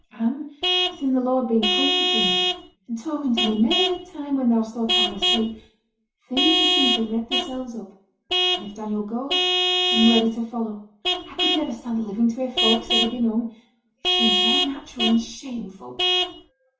'And sin' the Lord has been comforting me, and talking to me many a time when thou's thought I were asleep, things has seemed to redd theirselves up, and if Daniel goes, I'm ready to follow. I could niver stand living to hear folks say he'd been hung; it seems so unnatural and shameful.'